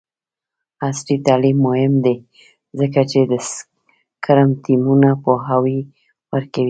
عصري تعلیم مهم دی ځکه چې د سکرم ټیمونو پوهاوی ورکوي.